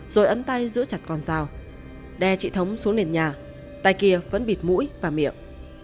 rồi ấn tay giữ chặt con dao đe chị thống xuống nền nhà tay kia vẫn bịt mũi và miệng